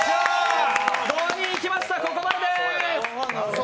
５人いきました、ここまで。